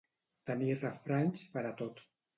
Tenir refranys per a tot.